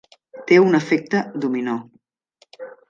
Té un efecte dominó.